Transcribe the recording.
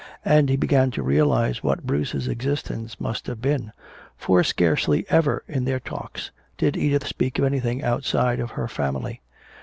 And he began to realize what Bruce's existence must have been. For scarcely ever in their talks did Edith speak of anything outside of her family.